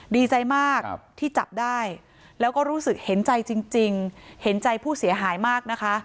ดีใจมากที่จับได้แล้วก็รู้สึกเห็นใจจริงเห็นใจผู้เสียหายมากนะคะ